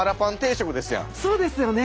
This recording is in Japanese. そうですよね。